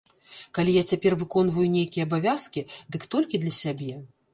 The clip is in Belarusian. Калі я цяпер выконваю нейкія абавязкі, дык толькі для сябе.